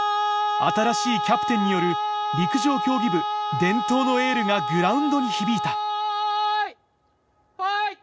新しいキャプテンによる陸上競技部伝統のエールがグラウンドに響いたファイ！